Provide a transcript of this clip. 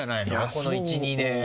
この１２年。